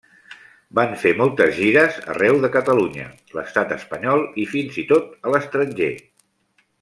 Van fer moltes gires arreu de Catalunya, l'Estat Espanyol, fins i tot a l'estranger.